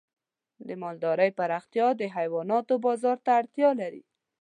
د مالدارۍ پراختیا د حیواناتو بازار ته اړتیا لري.